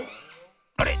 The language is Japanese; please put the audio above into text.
あれ？